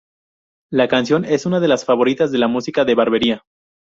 La canción es una de las favoritas de la música de barbería.